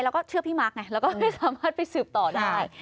แล้วก็เชื่อพี่มาร์คไงแล้วก็ไม่สามารถไปสืบต่อได้